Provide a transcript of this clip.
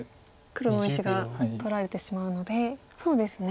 黒の大石が取られてしまうのでそうですね。